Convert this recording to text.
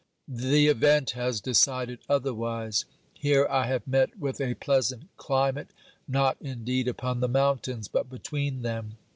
The event has decided otherwise. Here I have met with a pleasant climate, not indeed upon the mountains, but between them.